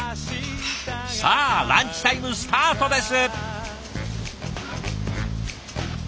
さあランチタイムスタートです。